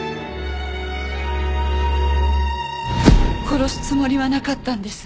殺すつもりはなかったんです。